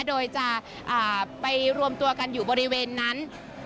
โดยจะไปรวมตัวกันอยู่บริเวณนั้น